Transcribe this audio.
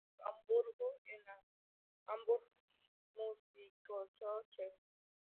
Estudió en Hamburgo, en la "Hamburg Musikhochschule".